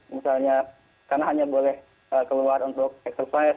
misalnya karena hanya boleh keluar untuk exercise